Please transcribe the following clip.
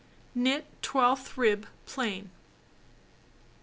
Knit twelfth rib plain.